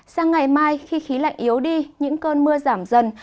sang ngày mai khi khí lạnh yếu đi những cơn mưa giảm dần